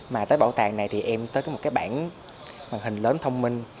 mà tới bảo tàng này thì em tới có một cái bản màn hình lớn thông minh